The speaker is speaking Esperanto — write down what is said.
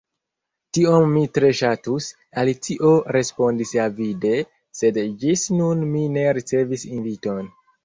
"Tion mi tre ŝatus," Alicio respondis avide, "sed ĝis nun mi ne ricevis inviton."